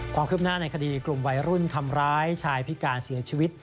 ความคืบหน้าในคดีกลุ่มวัยรุ่นทำร้ายชายพิการเสียชีวิต